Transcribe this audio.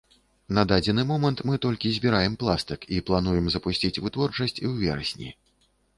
На дадзены момант мы толькі збіраем пластык, і плануем запусціць вытворчасць у верасні.